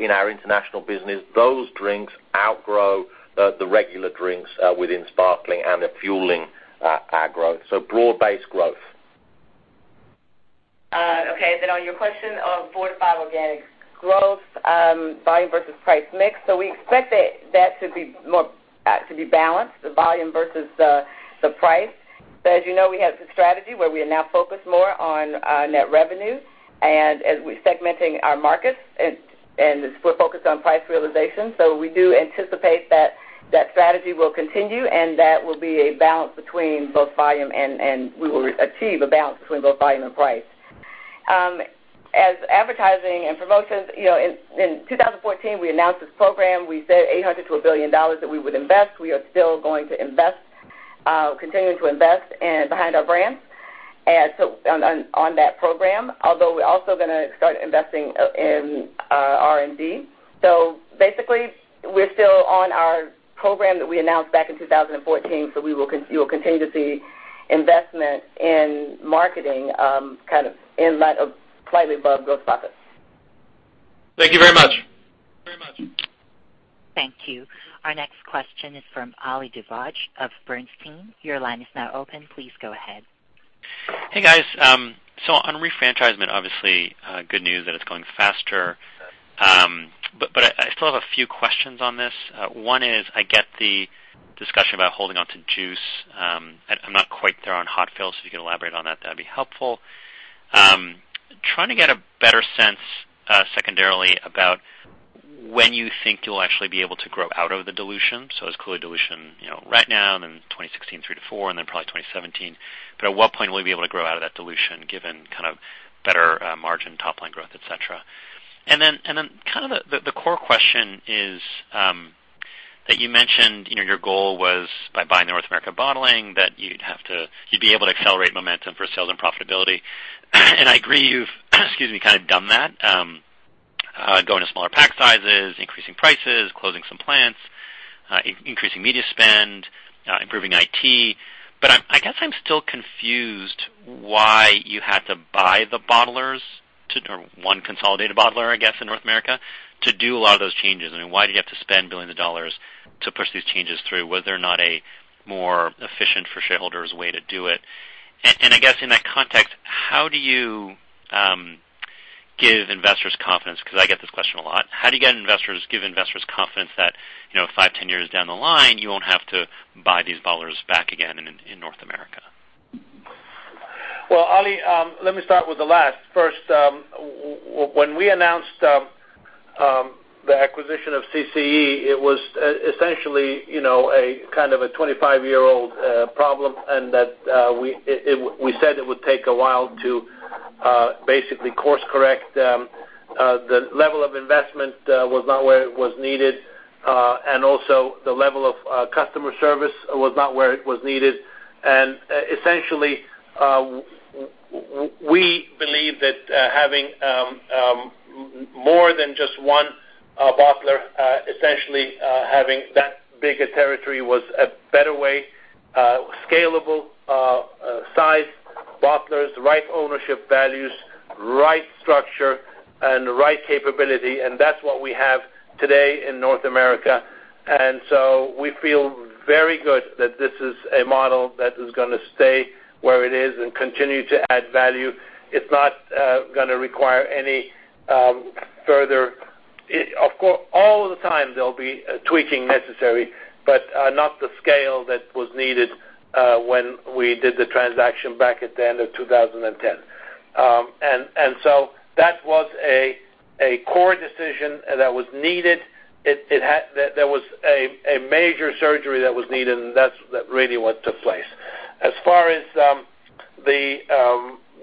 in our international business, those drinks outgrow the regular drinks within sparkling, and they're fueling our growth. Broad-based growth. Then on your question of 4%-5% organic growth, volume versus price mix. We expect that to be balanced, the volume versus the price. As you know, we have the strategy where we are now focused more on net revenue and segmenting our markets, and we're focused on price realization. We do anticipate that that strategy will continue, and that will be a balance between both volume and we will achieve a balance between both volume and price. As advertising and promotions, in 2014, we announced this program. We said $800 million-$1 billion that we would invest. We are still going to continue to invest behind our brands on that program, although we're also going to start investing in R&D. We're still on our program that we announced back in 2014. You will continue to see investment in marketing kind of in light of slightly above gross profits. Thank you very much. Thank you. Our next question is from Ali Dibadj of Bernstein. Your line is now open. Please go ahead. Hey, guys. On re-franchisement, obviously, good news that it's going faster. I still have a few questions on this. One is, I get the discussion about holding onto juice. I'm not quite there on hot fill, so if you could elaborate on that'd be helpful. Trying to get a better sense secondarily about when you think you'll actually be able to grow out of the dilution. It's clearly dilution right now, then 2016, three to four, and then probably 2017. At what point will you be able to grow out of that dilution given kind of better margin, top-line growth, et cetera? Kind of the core question is that you mentioned your goal was by buying North America Bottling, that you'd be able to accelerate momentum for sales and profitability. I agree you've kind of done that. Going to smaller pack sizes, increasing prices, closing some plants, increasing media spend, improving IT. I guess I'm still confused why you had to buy the bottlers, or one consolidated bottler, I guess, in North America, to do a lot of those changes. I mean, why did you have to spend billions of dollars to push these changes through? Was there not a more efficient for shareholders way to do it? And I guess in that context, how do you give investors confidence, because I get this question a lot, how do you give investors confidence that five, 10 years down the line, you won't have to buy these bottlers back again in North America? Well, Ali, let me start with the last. First, when we announced the acquisition of CCE, it was essentially a kind of a 25-year-old problem and that we said it would take a while to basically course correct. The level of investment was not where it was needed, and also the level of customer service was not where it was needed. Essentially, we believe that having more than just one bottler, essentially having that big a territory was a better way, scalable size bottlers, right ownership values, right structure, and right capability, and that's what we have today in North America. So we feel very good that this is a model that is going to stay where it is and continue to add value. It's not going to require any further. Of course, all of the time there'll be tweaking necessary, but not the scale that was needed when we did the transaction back at the end of 2010. That was a core decision that was needed. There was a major surgery that was needed, and that's really what took place. As far as the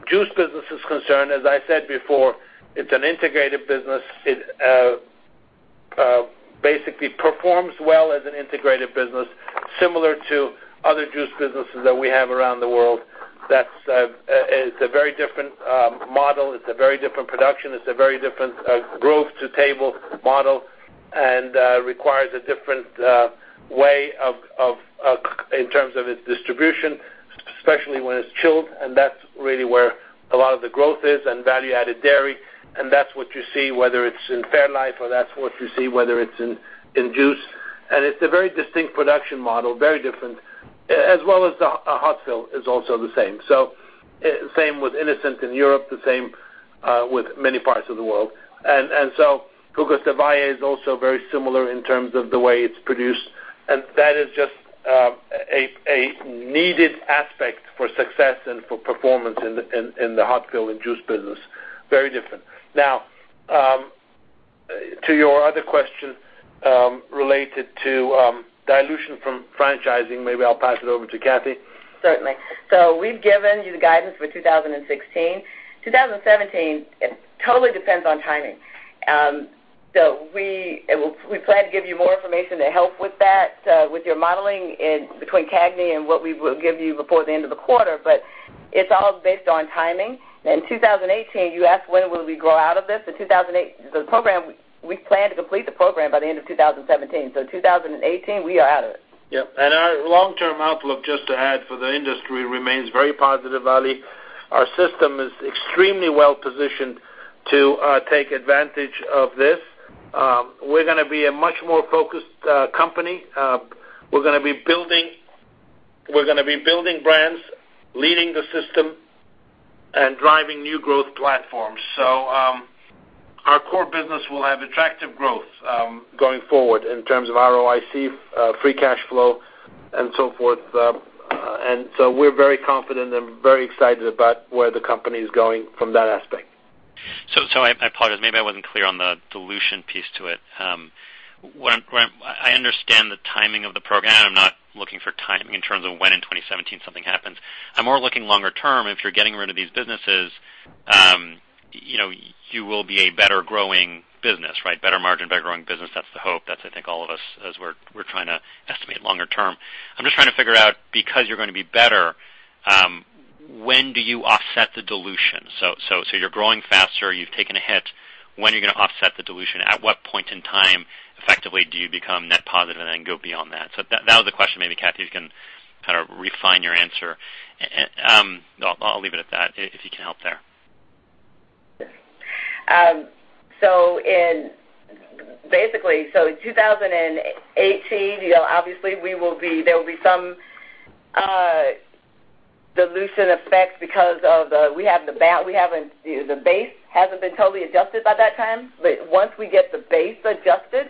juice business is concerned, as I said before, it's an integrated business. It basically performs well as an integrated business, similar to other juice businesses that we have around the world. That's a very different model. It's a very different production. It's a very different grove-to-table model and requires a different way in terms of its distribution, especially when it's chilled, and that's really where a lot of the growth is in value-added dairy. That's what you see, whether it's in fairlife or that's what you see, whether it's in juice. It's a very distinct production model, very different, as well as the hot fill is also the same. Same with innocent in Europe, the same with many parts of the world. Jugos del Valle is also very similar in terms of the way it's produced, and that is just a needed aspect for success and for performance in the hot fill and juice business. Very different. Now, to your other question, related to dilution from franchising, maybe I'll pass it over to Kathy. Certainly. We've given you the guidance for 2016. 2017, it totally depends on timing. We plan to give you more information to help with that, with your modeling between CAGNY and what we will give you before the end of the quarter, but it's all based on timing. In 2018, you asked when will we grow out of this. The program, we plan to complete the program by the end of 2017. 2018, we are out of it. Yep. Our long-term outlook, just to add, for the industry remains very positive, Ali. Our system is extremely well-positioned to take advantage of this. We're going to be a much more focused company. We're going to be building brands, leading the system, and driving new growth platforms. Our core business will have attractive growth going forward in terms of ROIC, free cash flow, and so forth. We're very confident and very excited about where the company is going from that aspect. I apologize. Maybe I wasn't clear on the dilution piece to it. I understand the timing of the program. I'm not looking for timing in terms of when in 2017 something happens. I'm more looking longer term. If you're getting rid of these businesses, you will be a better growing business, right? Better margin, better growing business. That's the hope. That's, I think, all of us as we're trying to estimate longer term. I'm just trying to figure out, because you're going to be better, when do you offset the dilution? You're growing faster. You've taken a hit. When are you going to offset the dilution? At what point in time effectively do you become net positive and then go beyond that? That was a question maybe, Kathy, you can kind of refine your answer. I'll leave it at that, if you can help there. Basically, 2018, obviously, there will be some dilution effects because the base hasn't been totally adjusted by that time. Once we get the base adjusted,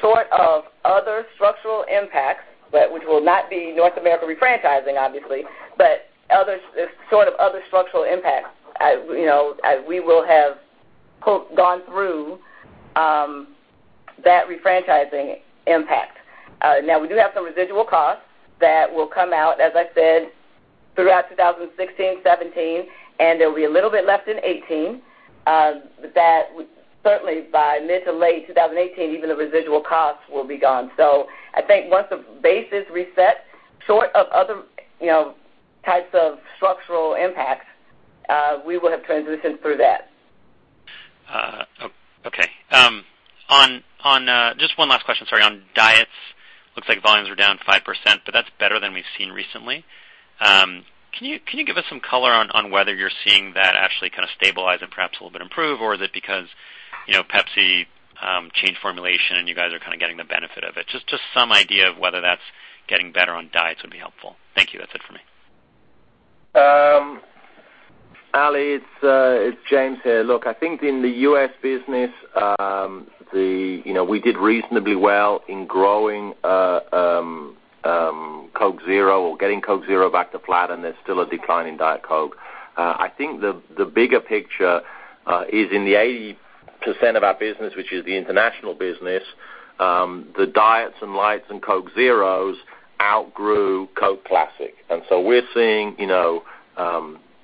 short of other structural impacts, which will not be North America refranchising, obviously, but sort of other structural impacts, we will have gone through that refranchising impact. We do have some residual costs that will come out, as I said, throughout 2016, 2017, and there'll be a little bit left in 2018. Certainly by mid to late 2018, even the residual costs will be gone. I think once the base is reset, short of other types of structural impacts, we will have transitioned through that. Okay. Just one last question, sorry. On Diets, looks like volumes are down 5%, but that's better than we've seen recently. Can you give us some color on whether you're seeing that actually kind of stabilize and perhaps a little bit improve? Or is it because Pepsi changed formulation and you guys are kind of getting the benefit of it? Just some idea of whether that's getting better on Diets would be helpful. Thank you. That's it for me. Ali, it's James here. I think in the U.S. business, we did reasonably well in growing Coke Zero or getting Coke Zero back to flat, and there's still a decline in Diet Coke. I think the bigger picture is in the 80% of our business, which is the international business. The Diets and Lights and Coke Zeros outgrew Coca-Cola Classic. We're seeing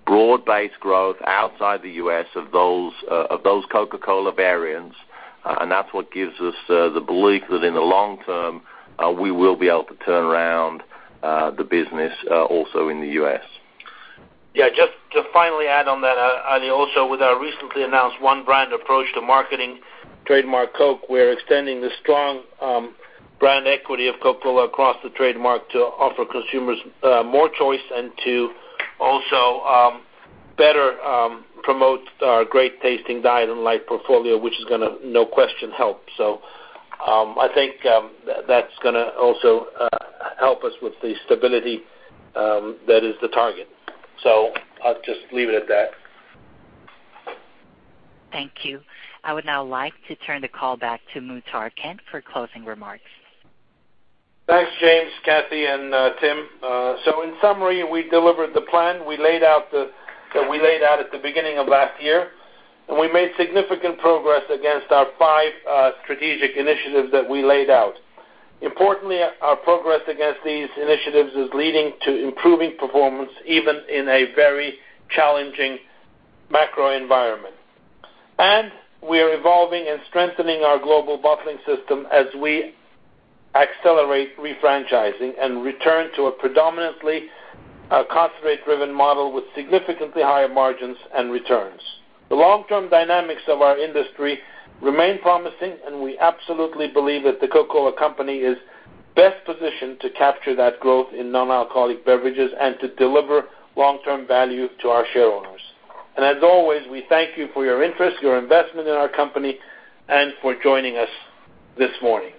broad-based growth outside the U.S. of those Coca-Cola variants, and that's what gives us the belief that in the long term, we will be able to turn around the business, also in the U.S. Just to finally add on that, Ali, also with our recently announced one brand approach to marketing trademark Coke, we're extending the strong brand equity of Coca-Cola across the trademark to offer consumers more choice and to also better promote our great tasting Diet and Light portfolio, which is going to, no question, help. I think that's going to also help us with the stability that is the target. I'll just leave it at that. Thank you. I would now like to turn the call back to Muhtar Kent for closing remarks. Thanks, James, Kathy, and Tim. In summary, we delivered the plan that we laid out at the beginning of last year. We made significant progress against our five strategic initiatives that we laid out. Importantly, our progress against these initiatives is leading to improving performance, even in a very challenging macro environment. We are evolving and strengthening our global bottling system as we accelerate refranchising and return to a predominantly concentrate-driven model with significantly higher margins and returns. The long-term dynamics of our industry remain promising. We absolutely believe that The Coca-Cola Company is best positioned to capture that growth in non-alcoholic beverages and to deliver long-term value to our shareholders. As always, we thank you for your interest, your investment in our company, and for joining us this morning.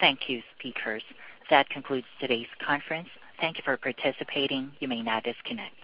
Thank you, speakers. That concludes today's conference. Thank you for participating. You may now disconnect.